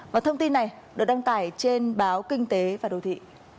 và thông tin này được đăng tải trên báo kinh tế và đô thị